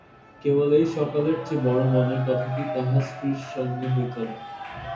কেবল এই সকলের চেয়ে বড়ো মনের কথাটি তাঁহার স্ত্রীর সঙ্গে হইত না।